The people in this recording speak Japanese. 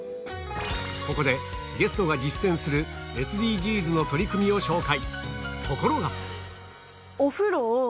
ここで、ゲストが実践するＳＤＧｓの取り組みを紹介。